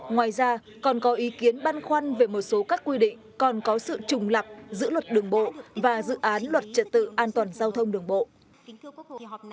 ngoài ra còn có ý kiến băn khoăn về một số các quy định còn có sự trùng lập giữa luật đường bộ và dự án luật trật tự an toàn giao thông đường bộ